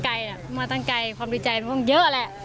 พี่มาตั้งใกล่ความดีใจพี่หมาเข้ามาเยอะแหละ